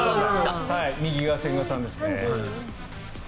右が千賀さんですね。